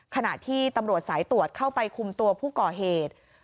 ขณะที่ตำรวจสายตรวจเข้าไปคุมตัวผู้ก่อเหตุ